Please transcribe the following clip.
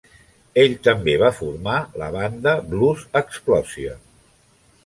Ell també va formar la banda Blues Explosion.